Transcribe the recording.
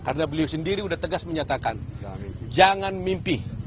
karena beliau sendiri sudah tegas menyatakan jangan mimpi